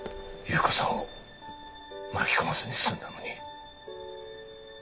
有雨子さんを巻き込まずに済んだのに。